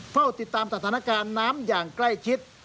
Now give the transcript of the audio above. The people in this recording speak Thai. เฝ้าติดตามสถานการณ์น้ำอย่างใกล้ชิด